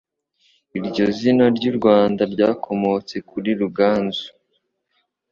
Iryo zina ry'u Rwanda ryakomotse kuri RUGANZU